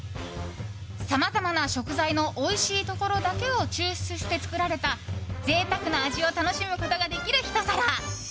さまざまな食材のおいしいところだけを抽出して作られた贅沢な味を楽しむことができるひと皿。